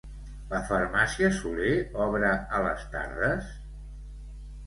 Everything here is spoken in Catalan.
La Farmàcia Soler obre a les tardes?